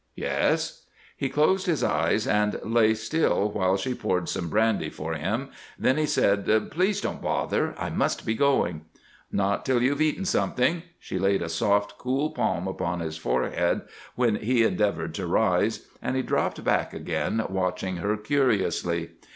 "Yes." He closed his eyes and lay still while she poured some brandy for him; then he said: "Please don't bother. I must be going." "Not till you've eaten something." She laid a soft, cool palm upon his forehead when he endeavored to rise, and he dropped back again, watching her curiously.